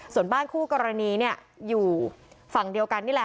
ส่วนบ้านคู่กรณีเนี่ยอยู่ฝั่งเดียวกันนี่แหละ